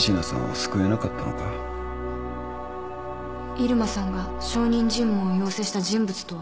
入間さんが証人尋問を要請した人物とは？